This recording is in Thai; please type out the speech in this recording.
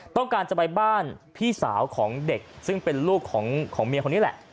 ต้องการจะไปบ้านพี่สาวของเด็กซึ่งเป็นลูกของเมียคนนี้แหละ